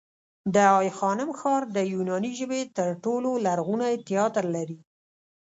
د آی خانم ښار د یوناني ژبې تر ټولو لرغونی تیاتر لري